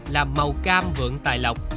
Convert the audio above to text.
là màu cam vượng tài lọc